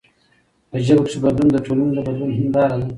په ژبه کښي بدلون د ټولني د بدلون هنداره ده.